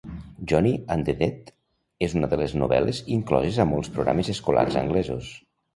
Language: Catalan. "Johnny and the Dead" és una de les novel·les incloses a molts programes escolars anglesos.